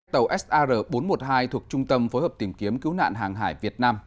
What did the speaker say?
tàu sr bốn trăm một mươi hai thuộc trung tâm phối hợp tìm kiếm cứu nạn hàng hải việt nam